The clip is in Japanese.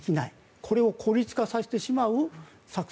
これを孤立化させてしまう作戦。